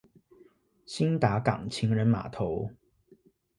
興達港情人碼頭